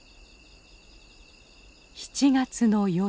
７月の夜。